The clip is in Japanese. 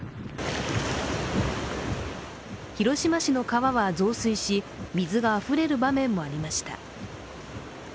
広島市の川は増水し、水があふれる場面もありました。